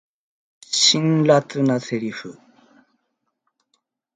辛辣なセリフ